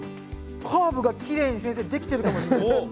カーブがきれいに先生できてるかもしんないです。